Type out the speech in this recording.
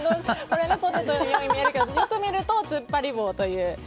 フライドポテトのように見えますがよく見ると突っ張り棒だという。